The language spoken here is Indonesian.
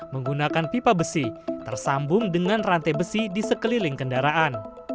menggunakan pipa besi tersambung dengan rantai besi di sekeliling kendaraan